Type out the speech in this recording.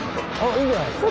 いいんじゃないですか。